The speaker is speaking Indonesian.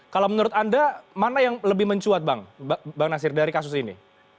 kalau menurut anda mana yang lebih mencuat bang nasir dari kasus ini